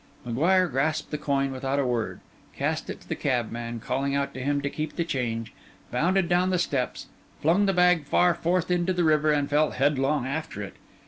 M'Guire grasped the coin without a word; cast it to the cabman, calling out to him to keep the change; bounded down the steps, flung the bag far forth into the river, and fell headlong after it.